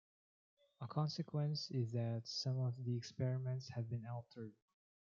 A consequence is that some of the experiments have been altered.